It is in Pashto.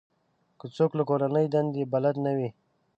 که څوک له کورنۍ دندو بلد نه وي.